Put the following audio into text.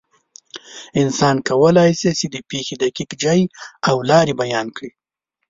انسان کولی شي، چې د پېښې دقیق ځای او لارې بیان کړي.